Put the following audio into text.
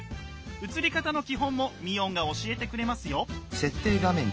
映り方の基本もミオンが教えてくれますよ。